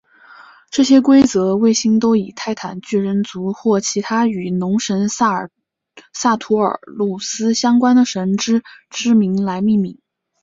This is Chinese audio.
这些规则卫星都以泰坦巨人族或其他与农神萨图尔努斯相关的神只之名来命名。